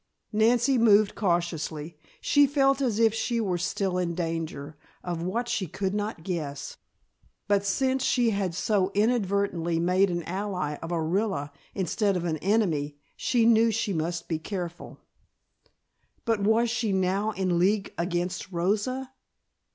Nancy moved cautiously. She felt as if she were still in danger of what she could not guess. But since she had so inadvertently made an ally of Orilla, instead of an enemy, she knew she must be careful. But was she now in league against Rosa?